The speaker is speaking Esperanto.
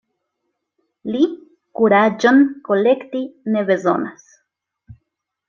Li kuraĝon kolekti ne bezonas.